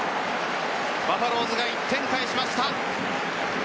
バファローズが１点返しました。